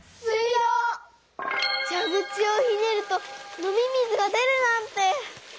じゃぐちをひねると飲み水が出るなんて！